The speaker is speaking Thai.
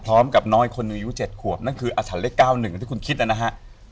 พร้อมกับน้อยคนอายุ๗ขวบนั่นคืออัตราเลข้าว๑ถ้าคุณคิดนะฮะ